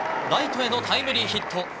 ライトへのタイムリーヒット。